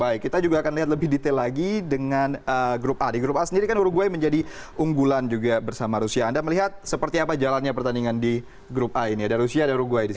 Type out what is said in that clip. baik kita juga akan lihat lebih detail lagi dengan grup a di grup a sendiri kan uruguay menjadi unggulan juga bersama rusia anda melihat seperti apa jalannya pertandingan di grup a ini ada rusia ada uruguay di sini